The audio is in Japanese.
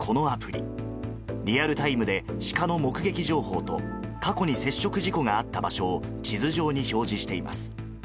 リアルタイムでシカの目撃情報と、過去に接触事故があった場所を地図上に表示しています。